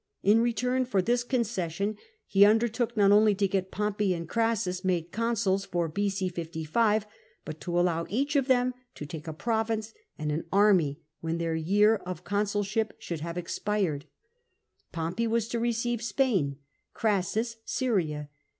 In return for this concession he undertook not only to get Pompey and Crassus made consuls for b.o. 55, but to allow each of them to take a province and an army when their year of 8 274 POMFEy consulship should have expired, Pompey was to receive Spain, Orassus Syria.